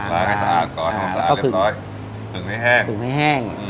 ล้างให้สะอ้างก่อนแล้วก็ผึ่งให้แห้ง